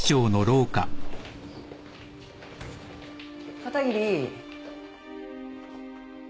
片桐。